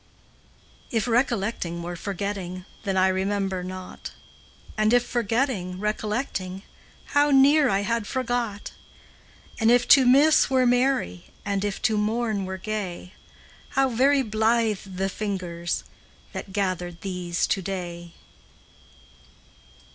If recollecting were forgetting, Then I remember not; And if forgetting, recollecting, How near I had forgot! And if to miss were merry, And if to mourn were gay, How very blithe the fingers That gathered these to day!